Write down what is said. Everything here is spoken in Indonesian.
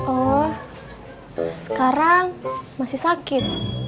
oh sekarang masih sakit